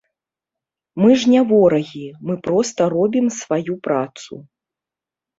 Мы ж не ворагі, мы проста робім сваю працу.